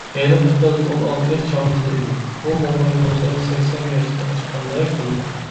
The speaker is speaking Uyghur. ھېلىقى قىز ئون ئالتە ياش چامىسىدا ئىدى، بۇ موماي بولسا سەكسەن ياشتىن ئاشقاندەك قىلىدۇ.